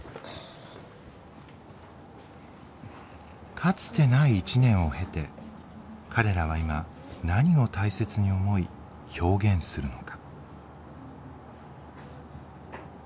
かつてない１年を経て彼らは今何を大切に思い表現するのか。